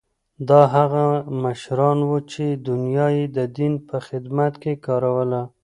دا هغه مشران وو چې دنیا یې د دین په خدمت کې کاروله.